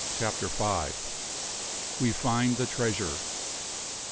CHAPTER FIVE. WE FIND THE TREASURE.